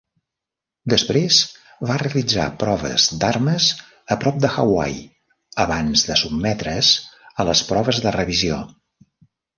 Després va realitzar proves d'armes a prop de Hawai abans de sotmetre's a les proves de revisió.